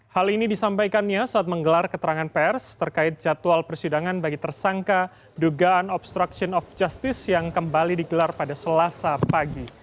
hal ini disampaikannya saat menggelar keterangan pers terkait jadwal persidangan bagi tersangka dugaan obstruction of justice yang kembali digelar pada selasa pagi